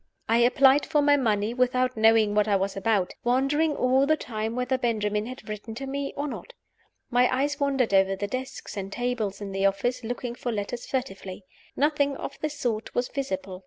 I applied for my money without knowing what I was about; wondering all the time whether Benjamin had written to me or not. My eyes wandered over the desks and tables in the office, looking for letters furtively. Nothing of the sort was visible.